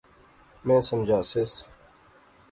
میں سمجھاسیس